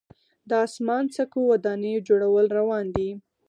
د اسمان څکو ودانیو جوړول روان دي.